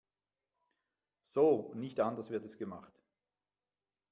So und nicht anders wird es gemacht.